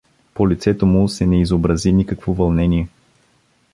По лицето му се не изобрази никакво вълнение.